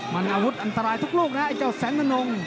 มันอาวุธอันตรายทุกลูกนะไอ้เจ้าแสนธนง